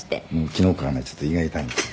「昨日からねちょっと胃が痛いんです」